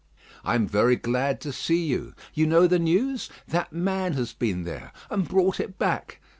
I am very glad to see you. You know the news? That man has been there, and brought it back.